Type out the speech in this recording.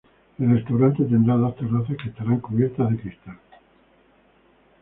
El restaurante tendrá dos terrazas que estarán cubiertas de cristal.